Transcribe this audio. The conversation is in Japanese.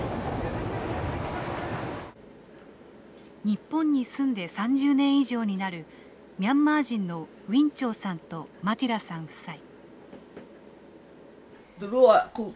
日本に住んで３０年以上になるミャンマー人のウィン・チョウさんとマティダさん夫妻。